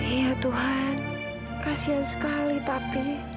iya tuhan kasian sekali tapi